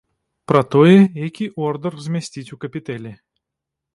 Пра тое, які ордар змясціць у капітэлі.